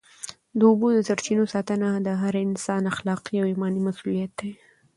د اوبو د سرچینو ساتنه د هر انسان اخلاقي او ایماني مسؤلیت دی.